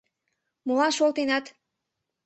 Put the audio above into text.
— Молан шолтенат?